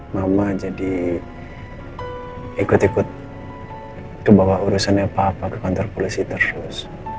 mama jadi ikut ikut kebawa urusannya apa apa ke kantor polisi terus